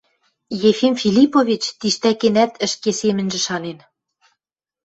Ефим Филиппович тиштӓкенӓт ӹшке семӹньжӹ шанен: